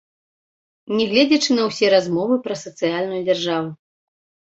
Нягледзячы на ўсе размовы пра сацыяльную дзяржаву.